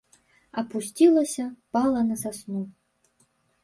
Апусцілася, пала на сасну.